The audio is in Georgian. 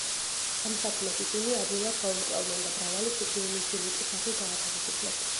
ამ საქმეს, ისინი ადვილად გაუმკლავდნენ და მრავალი სიკვდილმისჯილი ტუსაღი გაათავისუფლეს.